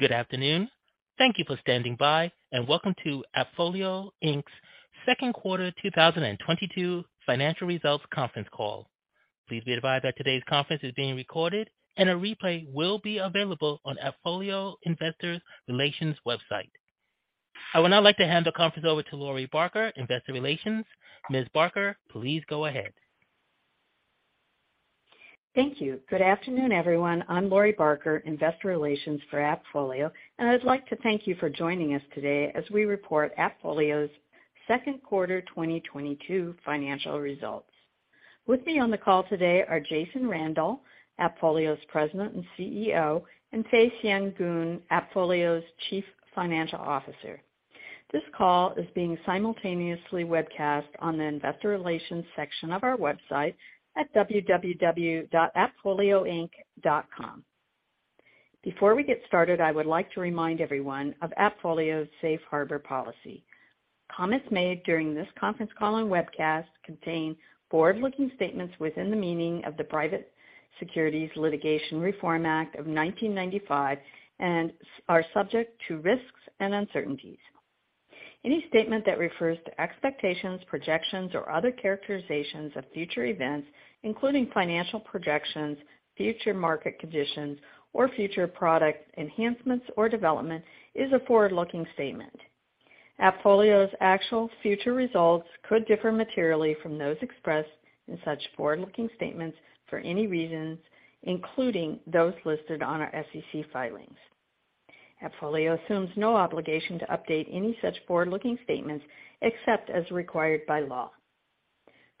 Good afternoon. Thank you for standing by, and welcome to AppFolio, Inc.'s second quarter 2022 financial results conference call. Please be advised that today's conference is being recorded, and a replay will be available on AppFolio Investor Relations website. I would now like to hand the conference over to Lori Barker, Investor Relations. Ms. Barker, please go ahead. Thank you. Good afternoon, everyone. I'm Lori Barker, investor relations for AppFolio, and I'd like to thank you for joining us today as we report AppFolio's second quarter 2022 financial results. With me on the call today are Jason Randall, AppFolio's President and CEO, and Fay Sien Goon, AppFolio's Chief Financial Officer. This call is being simultaneously webcast on the investor relations section of our website at www.appfolioinc.com. Before we get started, I would like to remind everyone of AppFolio's safe harbor policy. Comments made during this conference call and webcast contain forward-looking statements within the meaning of the Private Securities Litigation Reform Act of 1995 and are subject to risks and uncertainties. Any statement that refers to expectations, projections, or other characterizations of future events, including financial projections, future market conditions, or future product enhancements or development, is a forward-looking statement. AppFolio's actual future results could differ materially from those expressed in such forward-looking statements for any reasons, including those listed on our SEC filings. AppFolio assumes no obligation to update any such forward-looking statements except as required by law.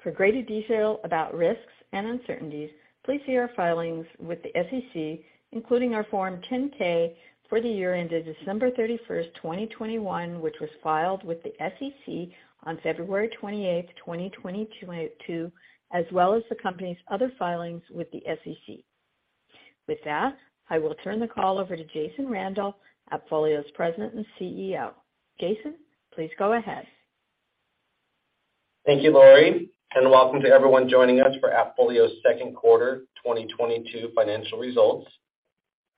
For greater detail about risks and uncertainties, please see our filings with the SEC, including our Form 10-K for the year ended December 31st, 2021, which was filed with the SEC on February 28, 2022, as well as the company's other filings with the SEC. With that, I will turn the call over to Jason Randall, AppFolio's President and CEO. Jason, please go ahead. Thank you, Lori, and welcome to everyone joining us for AppFolio's second quarter 2022 financial results.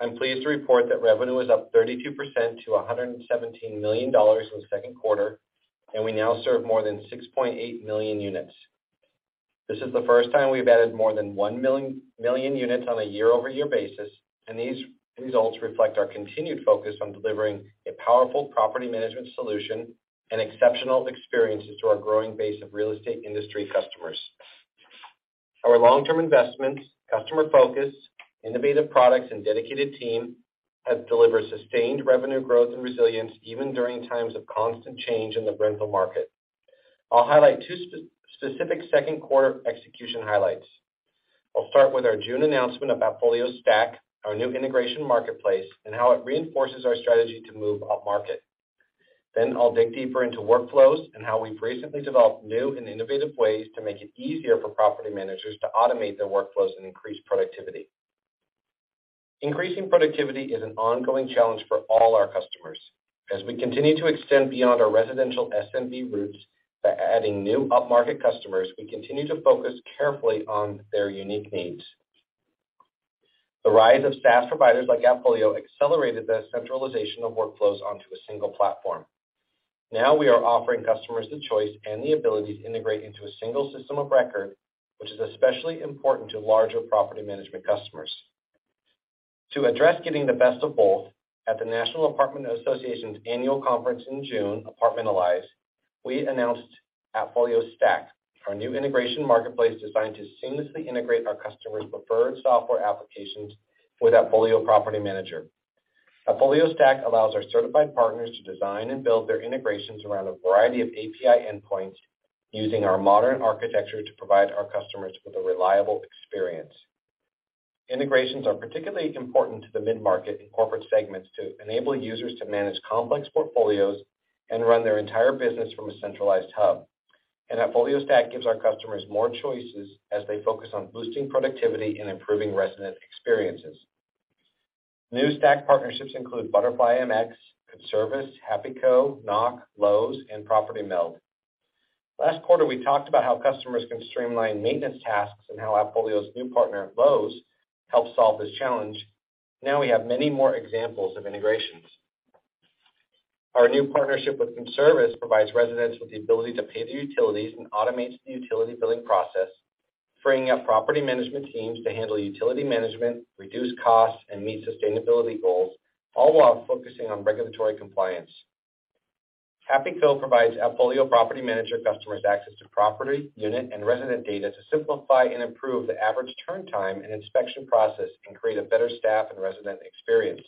I'm pleased to report that revenue is up 32% to $117 million in the second quarter, and we now serve more than 6.8 million units. This is the first time we've added more than 1 million units on a year-over-year basis, and these results reflect our continued focus on delivering a powerful property management solution and exceptional experiences to our growing base of real estate industry customers. Our long-term investments, customer focus, innovative products, and dedicated team have delivered sustained revenue growth and resilience even during times of constant change in the rental market. I'll highlight two specific second quarter execution highlights. I'll start with our June announcement of AppFolio Stack, our new integration marketplace, and how it reinforces our strategy to move upmarket. I'll dig deeper into workflows and how we've recently developed new and innovative ways to make it easier for property managers to automate their workflows and increase productivity. Increasing productivity is an ongoing challenge for all our customers. As we continue to extend beyond our residential SMB roots by adding new upmarket customers, we continue to focus carefully on their unique needs. The rise of SaaS providers like AppFolio accelerated the centralization of workflows onto a single platform. Now we are offering customers the choice and the ability to integrate into a single system of record, which is especially important to larger property management customers. To address getting the best of both, at the National Apartment Association's annual conference in June, Apartmentalize, we announced AppFolio Stack, our new integration marketplace designed to seamlessly integrate our customers' preferred software applications with AppFolio Property Manager. AppFolio Stack allows our certified partners to design and build their integrations around a variety of API endpoints using our modern architecture to provide our customers with a reliable experience. Integrations are particularly important to the mid-market and corporate segments to enable users to manage complex portfolios and run their entire business from a centralized hub. AppFolio Stack gives our customers more choices as they focus on boosting productivity and improving resident experiences. New Stack partnerships include ButterflyMX, Conservice, HappyCo, Knock, Lowe's, and Property Meld. Last quarter, we talked about how customers can streamline maintenance tasks and how AppFolio's new partner, Lowe's, helped solve this challenge. Now we have many more examples of integrations. Our new partnership with Conservice provides residents with the ability to pay their utilities and automates the utility billing process, freeing up property management teams to handle utility management, reduce costs, and meet sustainability goals, all while focusing on regulatory compliance. HappyCo provides AppFolio Property Manager customers access to property, unit, and resident data to simplify and improve the average turn time and inspection process and create a better staff and resident experience.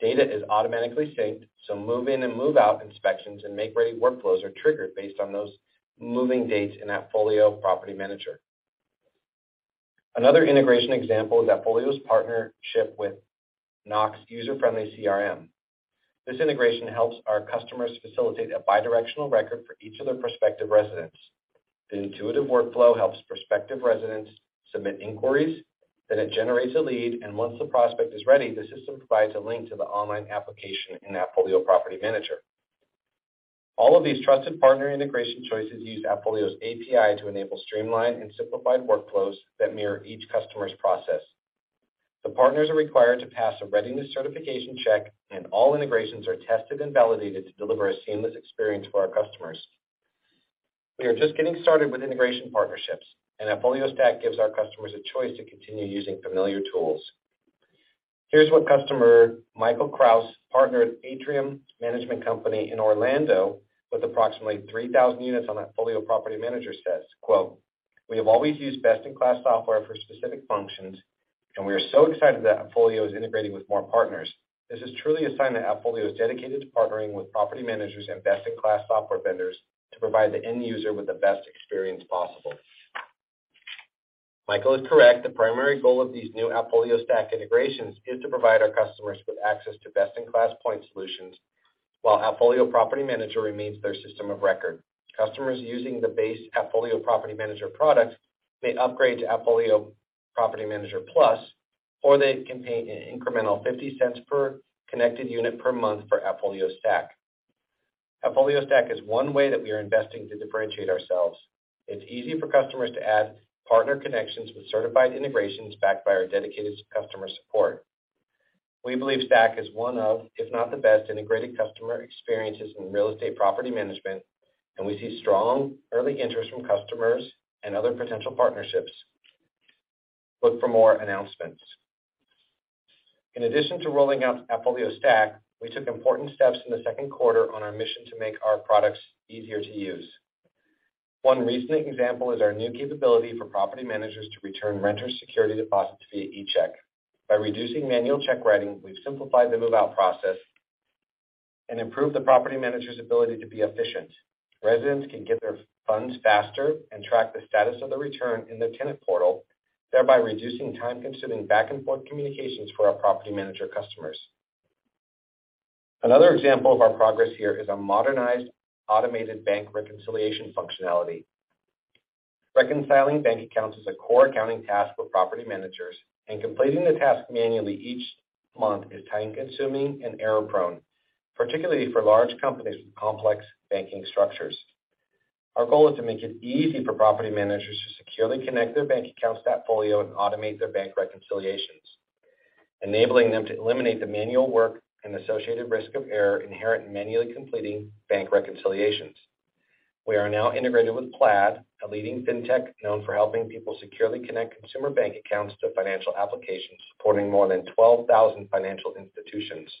Data is automatically synced, so move-in and move-out inspections and make-ready workflows are triggered based on those moving dates in AppFolio Property Manager. Another integration example is AppFolio's partnership with Knock's user-friendly CRM. This integration helps our customers facilitate a bidirectional record for each of their prospective residents. The intuitive workflow helps prospective residents submit inquiries, then it generates a lead, and once the prospect is ready, the system provides a link to the online application in AppFolio Property Manager. All of these trusted partner integration choices use AppFolio's API to enable streamlined and simplified workflows that mirror each customer's process. The partners are required to pass a readiness certification check, and all integrations are tested and validated to deliver a seamless experience for our customers. We are just getting started with integration partnerships, and AppFolio Stack gives our customers a choice to continue using familiar tools. Here's what customer Michael Krause, Partner at Atrium Management Company in Orlando with approximately 3,000 units on AppFolio Property Manager says, quote, "We have always used best-in-class software for specific functions, and we are so excited that AppFolio is integrating with more partners. This is truly a sign that AppFolio is dedicated to partnering with property managers and best-in-class software vendors to provide the end user with the best experience possible. Michael is correct. The primary goal of these new AppFolio Stack integrations is to provide our customers with access to best-in-class point solutions while AppFolio Property Manager remains their system of record. Customers using the base AppFolio Property Manager products may upgrade to AppFolio Property Manager Plus, or they can pay an incremental $0.50 per connected unit per month for AppFolio Stack. AppFolio Stack is one way that we are investing to differentiate ourselves. It's easy for customers to add partner connections with certified integrations backed by our dedicated customer support. We believe Stack is one of, if not the best, integrated customer experiences in real estate property management, and we see strong early interest from customers and other potential partnerships. Look for more announcements. In addition to rolling out AppFolio Stack, we took important steps in the second quarter on our mission to make our products easier to use. One recent example is our new capability for property managers to return renter security deposits via eCheck. By reducing manual check writing, we've simplified the move-out process and improved the property manager's ability to be efficient. Residents can get their funds faster and track the status of the return in their tenant portal, thereby reducing time-consuming back-and-forth communications for our property manager customers. Another example of our progress here is our modernized automated bank reconciliation functionality. Reconciling bank accounts is a core accounting task for property managers, and completing the task manually each month is time-consuming and error-prone, particularly for large companies with complex banking structures. Our goal is to make it easy for property managers to securely connect their bank accounts to AppFolio and automate their bank reconciliations, enabling them to eliminate the manual work and associated risk of error inherent in manually completing bank reconciliations. We are now integrated with Plaid, a leading fintech known for helping people securely connect consumer bank accounts to financial applications, supporting more than 12,000 financial institutions.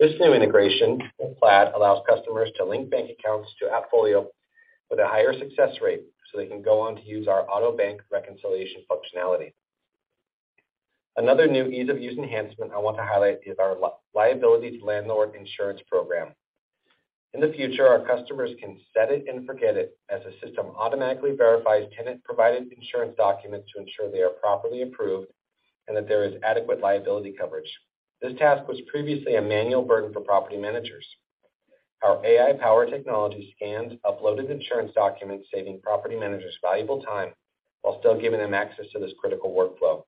This new integration with Plaid allows customers to link bank accounts to AppFolio with a higher success rate, so they can go on to use our auto bank reconciliation functionality. Another new ease-of-use enhancement I want to highlight is our liability to landlord insurance program. In the future, our customers can set it and forget it as the system automatically verifies tenant-provided insurance documents to ensure they are properly approved and that there is adequate liability coverage. This task was previously a manual burden for property managers. Our AI-powered technology scans uploaded insurance documents, saving property managers valuable time while still giving them access to this critical workflow.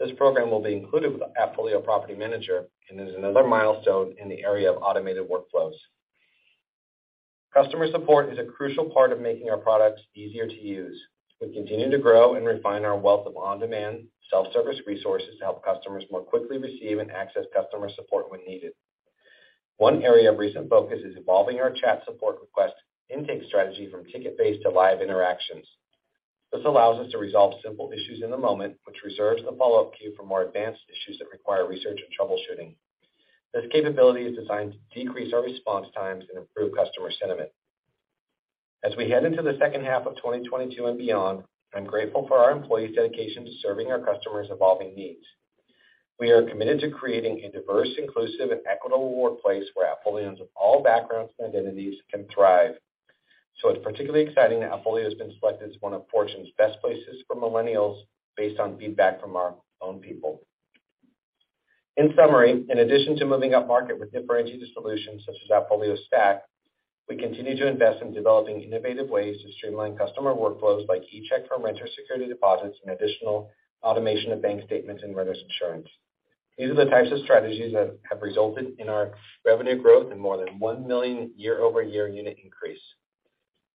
This program will be included with AppFolio Property Manager and is another milestone in the area of automated workflows. Customer support is a crucial part of making our products easier to use. We continue to grow and refine our wealth of on-demand, self-service resources to help customers more quickly receive and access customer support when needed. One area of recent focus is evolving our chat support request intake strategy from ticket-based to live interactions. This allows us to resolve simple issues in the moment, which reserves the follow-up queue for more advanced issues that require research and troubleshooting. This capability is designed to decrease our response times and improve customer sentiment. As we head into the second half of 2022 and beyond, I'm grateful for our employees' dedication to serving our customers' evolving needs. We are committed to creating a diverse, inclusive, and equitable workplace where AppFolions of all backgrounds and identities can thrive. It's particularly exciting that AppFolio has been selected as one of Fortune's best places for millennials based on feedback from our own people. In summary, in addition to moving up market with differentiated solutions such as AppFolio Stack, we continue to invest in developing innovative ways to streamline customer workflows by e-check for renter security deposits and additional automation of bank statements and renters insurance. These are the types of strategies that have resulted in our revenue growth and more than 1 million year-over-year unit increase.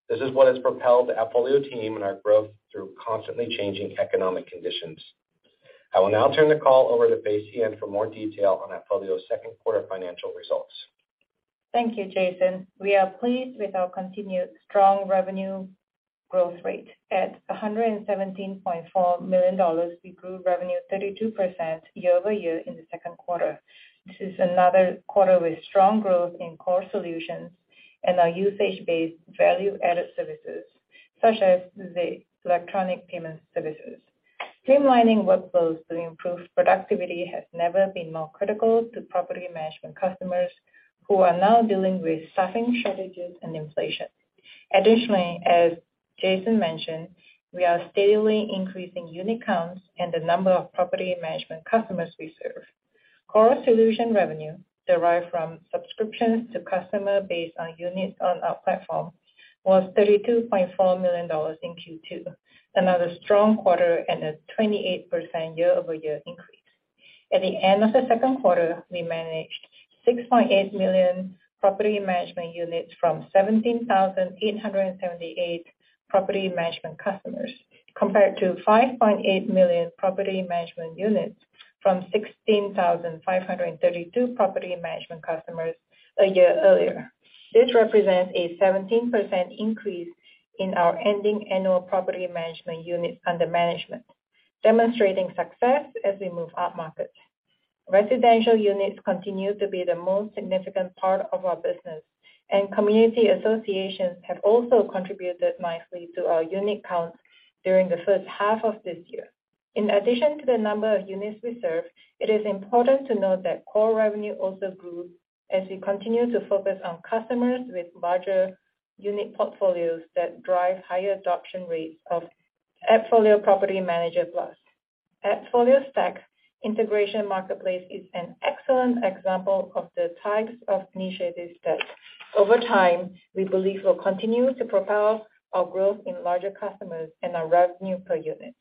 This is what has propelled the AppFolio team and our growth through constantly changing economic conditions. I will now turn the call over to Fay Sien Goon for more detail on AppFolio's second quarter financial results. Thank you, Jason. We are pleased with our continued strong revenue growth rate. At $117.4 million, we grew revenue 32% year-over-year in the second quarter. This is another quarter with strong growth in core solutions and our usage-based value-added services, such as the electronic payment services. Streamlining workflows to improve productivity has never been more critical to property management customers who are now dealing with staffing shortages and inflation. Additionally, as Jason mentioned, we are steadily increasing unit counts and the number of property management customers we serve. Core solution revenue derived from subscriptions to customer based on units on our platform was $32.4 million in Q2, another strong quarter and a 28% year-over-year increase. At the end of the second quarter, we managed 6.8 million property management units from 17,878 property management customers, compared to 5.8 million property management units from 16,532 property management customers a year earlier. This represents a 17% increase in our ending annual property management units under management, demonstrating success as we move upmarket. Residential units continue to be the most significant part of our business, and community associations have also contributed nicely to our unit counts during the first half of this year. In addition to the number of units we serve, it is important to note that core revenue also grew as we continue to focus on customers with larger unit portfolios that drive higher adoption rates of AppFolio Property Manager Plus. AppFolio Stack Integration Marketplace is an excellent example of the types of initiatives that over time, we believe will continue to propel our growth in larger customers and our revenue per unit.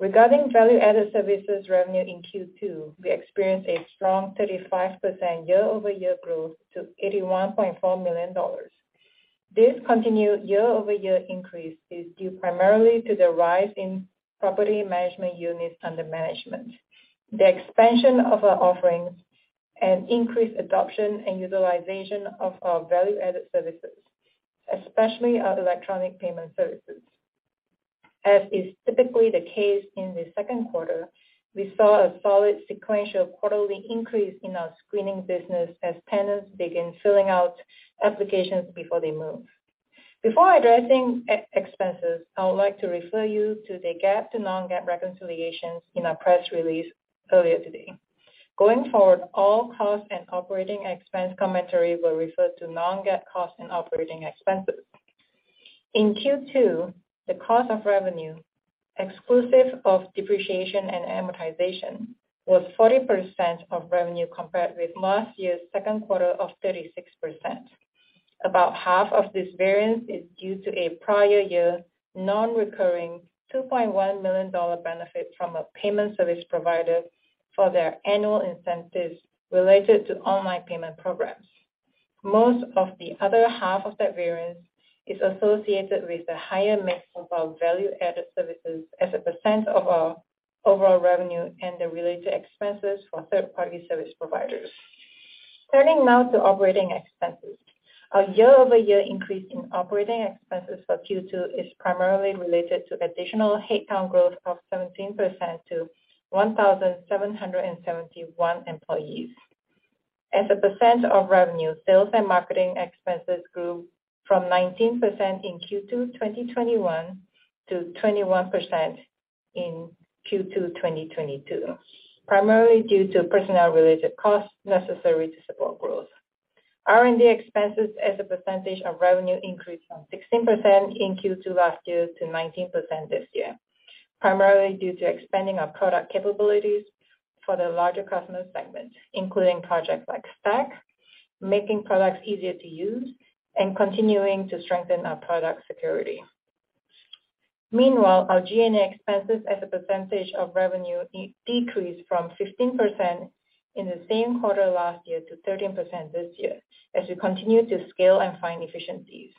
Regarding value-added services revenue in Q2, we experienced a strong 35% year-over-year growth to $81.4 million. This continued year-over-year increase is due primarily to the rise in property management units under management, the expansion of our offerings and increased adoption and utilization of our value-added services, especially our electronic payment services. As is typically the case in the second quarter, we saw a solid sequential quarterly increase in our screening business as tenants begin filling out applications before they move. Before addressing expenses, I would like to refer you to the GAAP to non-GAAP reconciliations in our press release earlier today. Going forward, all costs and operating expense commentary will refer to non-GAAP costs and operating expenses. In Q2, the cost of revenue, exclusive of depreciation and amortization, was 40% of revenue compared with last year's second quarter of 36%. About half of this variance is due to a prior year non-recurring $2.1 million benefit from a payment service provider for their annual incentives related to online payment programs. Most of the other half of that variance is associated with the higher mix of our value-added services as a percent of our overall revenue and the related expenses for third-party service providers. Turning now to operating expenses. Our year-over-year increase in operating expenses for Q2 is primarily related to additional headcount growth of 17% to 1,771 employees. As a percent of revenue, sales and marketing expenses grew from 19% in Q2 2021 to 21% in Q2 2022, primarily due to personnel-related costs necessary to support growth. R&D expenses as a percentage of revenue increased from 16% in Q2 last year to 19% this year, primarily due to expanding our product capabilities for the larger customer segments, including projects like Stack, making products easier to use, and continuing to strengthen our product security. Meanwhile, our G&A expenses as a percentage of revenue decreased from 15% in the same quarter last year to 13% this year as we continue to scale and find efficiencies.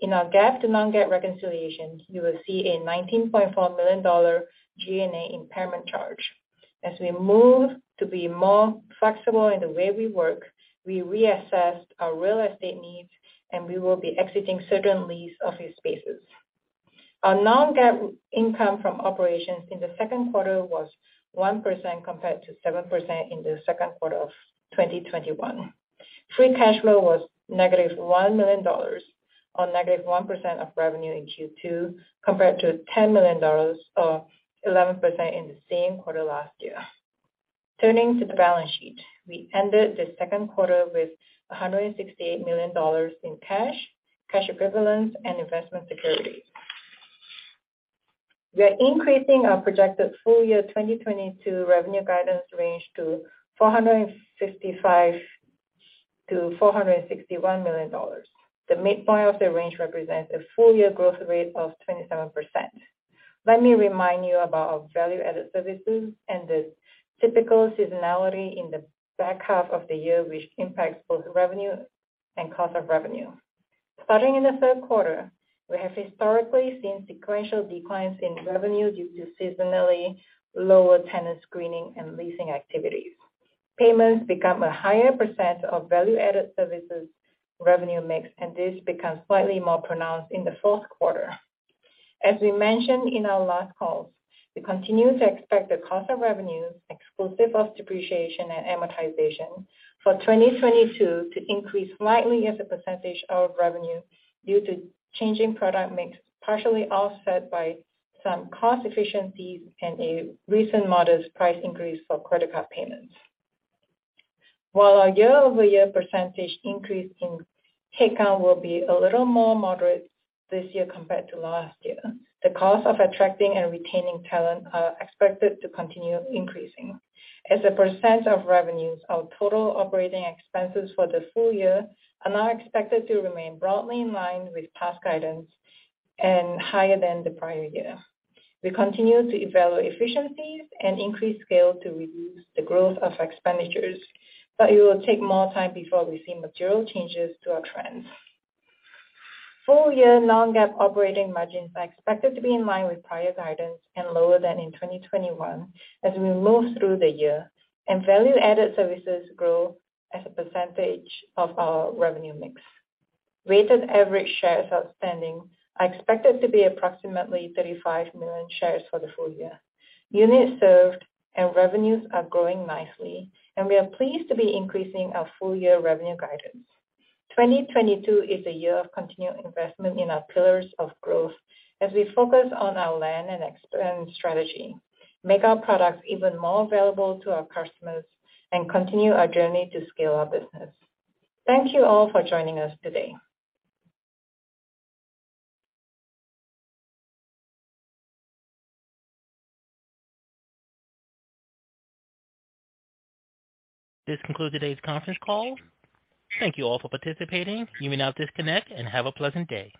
In our GAAP to non-GAAP reconciliations, you will see a $19.4 million G&A impairment charge. As we move to be more flexible in the way we work, we reassessed our real estate needs and we will be exiting certain lease office spaces. Our non-GAAP income from operations in the second quarter was 1% compared to 7% in the second quarter of 2021. Free cash flow was negative $1 million or negative 1% of revenue in Q2, compared to $10 million or 11% in the same quarter last year. Turning to the balance sheet. We ended the second quarter with $168 million in cash equivalents and investment securities. We are increasing our projected full year 2022 revenue guidance range to $465 million-$461 million. The midpoint of the range represents a full year growth rate of 27%. Let me remind you about our value-added services and the typical seasonality in the back half of the year, which impacts both revenue and cost of revenue. Starting in the third quarter, we have historically seen sequential declines in revenue due to seasonally lower tenant screening and leasing activities. Payments become a higher percent of value-added services revenue mix, and this becomes slightly more pronounced in the fourth quarter. As we mentioned in our last calls, we continue to expect the cost of revenue exclusive of depreciation and amortization for 2022 to increase slightly as a percentage of revenue due to changing product mix, partially offset by some cost efficiencies and a recent modest price increase for credit card payments. While our year-over-year percentage increase in headcount will be a little more moderate this year compared to last year, the cost of attracting and retaining talent are expected to continue increasing. As a percent of revenues, our total operating expenses for the full year are now expected to remain broadly in line with past guidance and higher than the prior year. We continue to evaluate efficiencies and increase scale to reduce the growth of expenditures, but it will take more time before we see material changes to our trends. Full year non-GAAP operating margins are expected to be in line with prior guidance and lower than in 2021 as we move through the year and value-added services grow as a percentage of our revenue mix. Weighted average shares outstanding are expected to be approximately 35 million shares for the full year. Units served and revenues are growing nicely, and we are pleased to be increasing our full year revenue guidance. 2022 is a year of continued investment in our pillars of growth as we focus on our land-and-expand strategy, make our products even more available to our customers, and continue our journey to scale our business. Thank you all for joining us today. This concludes today's conference call. Thank you all for participating. You may now disconnect and have a pleasant day.